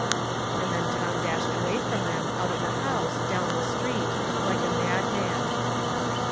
And then Tom dashed away from them out of the house, down the street, like a madman.